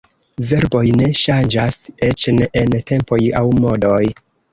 Verboj ne ŝanĝas eĉ ne en tempoj aŭ modoj.